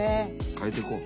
変えていこう。